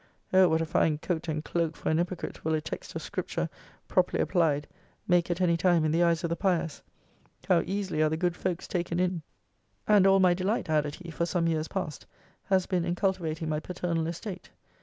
O what a fine coat and cloke for an hypocrite will a text of scripture, properly applied, make at any time in the eyes of the pious! how easily are the good folks taken in!] and all my delight, added he, for some years past, has been in cultivating my paternal estate.